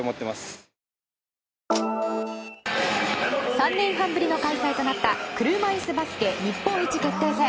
３年半ぶりの開催となった車いすバスケ日本一決定戦。